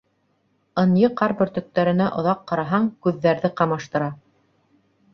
Ынйы ҡар бөртөктәренә оҙаҡ ҡараһаң, күҙҙәрҙе ҡамаштыра.